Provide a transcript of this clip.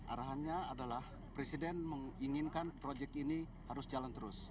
arahannya adalah presiden menginginkan proyek ini harus jalan terus